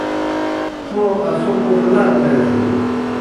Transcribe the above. تھو اسو پوخلا تھئے سوئے۔